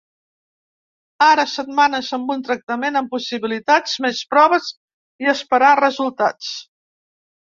Ara setmanes amb un tractament amb possibilitats, més proves i esperar resultats.